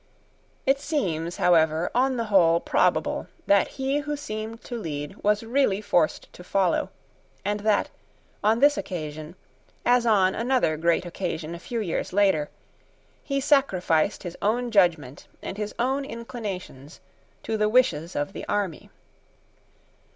It seems, however, on the whole, probable that he who seemed to lead was really forced to follow, and that, on this occasion, as on another great occasion a few years later, he sacrificed his own judgment and his own inclinations to the wishes of the army.